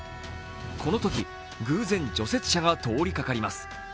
このとき偶然、除雪車が通りかかります。